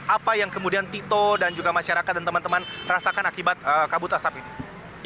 apa yang kemudian tito dan juga masyarakat dan teman teman rasakan akibat kabut asap ini